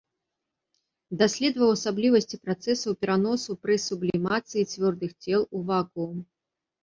Даследаваў асаблівасці працэсаў пераносу пры сублімацыі цвёрдых цел у вакуум.